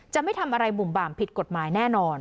ไม่ทำอะไรบุ่มบ่ามผิดกฎหมายแน่นอน